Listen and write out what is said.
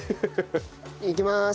いきまーす。